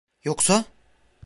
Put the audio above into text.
Yoksa!